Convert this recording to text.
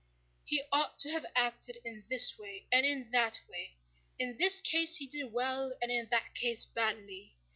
"He ought to have acted in this way and in that way. In this case he did well and in that case badly.